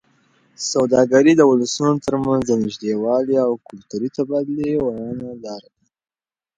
سوداګري د ولسونو ترمنځ د نږدېوالي او کلتوري تبادلې یوه رڼه لاره ده.